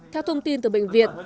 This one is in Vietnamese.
theo thông tin từ bệnh viện